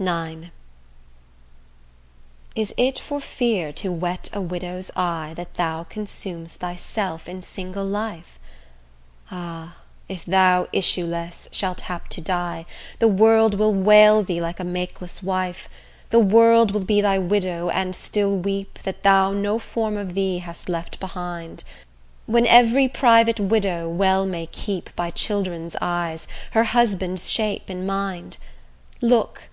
IX Is it for fear to wet a widow's eye, That thou consum'st thyself in single life? Ah! if thou issueless shalt hap to die, The world will wail thee like a makeless wife; The world will be thy widow and still weep That thou no form of thee hast left behind, When every private widow well may keep By children's eyes, her husband's shape in mind: Look!